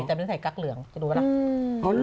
แต่ไม่ได้ใส่กั๊กเหลืองจะรู้หรือเปล่า